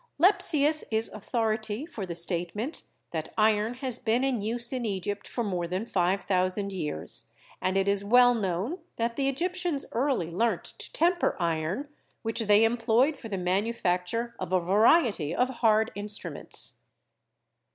Lepsius is authority, for the statement that iron has been in use in Egypt for more than five thousand years, and it is well known that the Egyp tians early learnt to temper iron, which they employed for the manufacture of a variety of hard instruments.